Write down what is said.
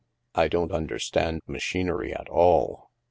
I don't understand machinery at all.